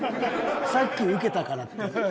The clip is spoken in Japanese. さっきウケたからって。